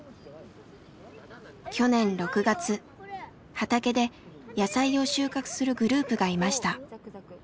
畑で野菜を収穫するグループがいました。